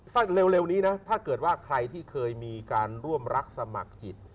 ถ้าเร็วนี้นะถ้าเกิดว่าใครที่เคยมีการร่วมรักสมัครจิต